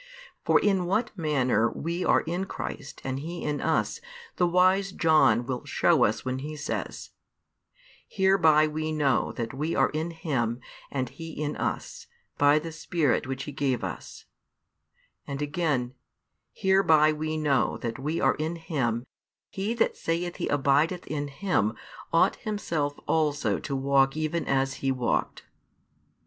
For in what manner we are in Christ and He in us the wise John will show us when He says: Hereby we know that we are in Him and He in us, by the Spirit Which He gave us; and again, Hereby know we that we are in Him; he that saith he abideth in Him ought himself also to walk even as He walked.